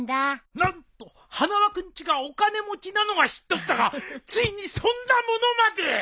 何と花輪君ちがお金持ちなのは知っとったがついにそんな物まで？